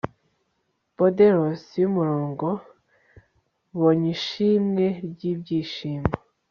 bordellos yumurongo, bony ishimwe ryibyishimo